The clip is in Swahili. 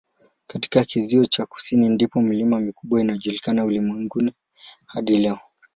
Katika kizio cha kusini ndipo milima mikubwa inayojulikana ulimwenguni hadi leo.